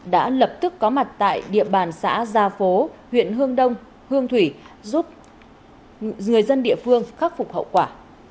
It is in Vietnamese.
đã lập tức có mặt tại địa bàn xã gia phố huyện hương đông hương thủy giúp người dân địa phương khắc phục hậu quả